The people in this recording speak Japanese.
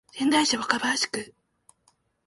仙台市若林区